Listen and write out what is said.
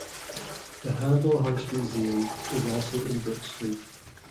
The Handel House Museum is also in Brook Street.